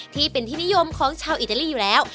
ที่เป็นที่นิยมของชาวอิตาลีอยู่แล้ว